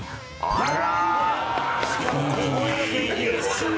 あら。